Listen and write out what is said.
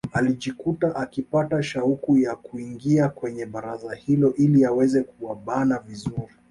Alijikuta akipata shauku ya kuingia kwenye baraza hilo ili aweze kuwabana vizuri